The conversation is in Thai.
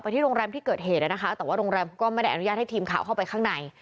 ที่โรงแรมที่เกิดเหตุนะคะแต่ว่าโรงแรมก็ไม่ได้อนุญาตให้ทีมข่าวเข้าไปข้างใน